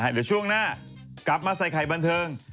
เดี๋ยวช่วงหน้ากลับมาใส่ไข่บันเทิง